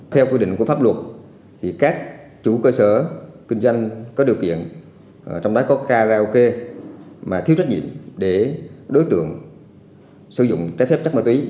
theo quy định của pháp luật các chủ cơ sở kinh doanh có điều kiện trong đó có karaoke mà thiếu trách nhiệm để đối tượng sử dụng trái phép chất ma túy